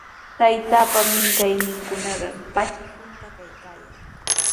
Taytaapa minkayninkunaqa patra hunta kaykaayan.